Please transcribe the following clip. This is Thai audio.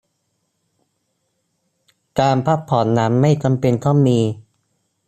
การพักผ่อนนั้นไม่จำเป็นต้องมี